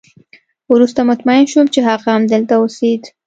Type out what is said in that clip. وروسته مطمئن شوم چې هغه همدلته اوسېده